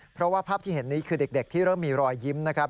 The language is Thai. เพราะว่าภาพที่เห็นนี้คือเด็กที่เริ่มมีรอยยิ้มนะครับ